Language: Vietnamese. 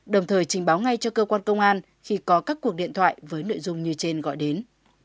đồng thời trình báo ngay cho cơ quan công an khi có các cuộc điện thoại với nội dung như trên gọi đến